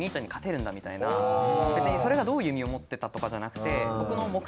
別にそれがどういう意味を持ってたとかじゃなくて。